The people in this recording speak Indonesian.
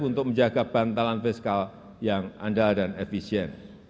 untuk menjaga bantalan fiskal yang andal dan efisien